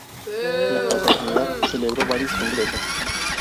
La Fraternidad celebró varios congresos.